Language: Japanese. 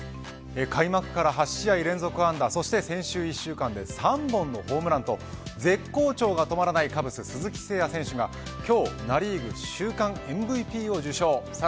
開幕から８試合連続安打そして先週１週間で３本のホームランと絶好調が止まらないカブス、鈴木誠也選手が今日ナ・リーグ週間ＭＶＰを受賞。